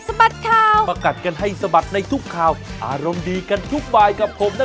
สวัสดีครับ